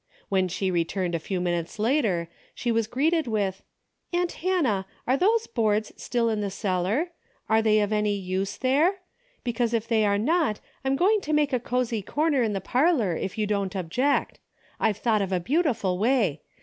When she returned a few minutes later she was greeted with " Aunt Hannah, are those boards still in the cellar ? Are they of any use there ?" J DAILY rate:' 219 Because if they are not I'm going to make a oozy corner in the parlor if you don't object. I've thought of a beautiful way.